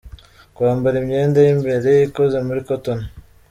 Kwambara imyenda y’imbere ikoze muri cotton,.